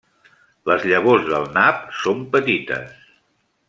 Les llavors del nap són petites.